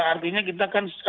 artinya kita kan